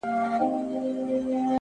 زما ياران اوس په دې شكل سـوله.!